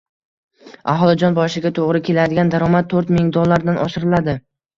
aholi jon boshiga to‘g‘ri keladigan daromad to'rt ming dollardan oshiriladi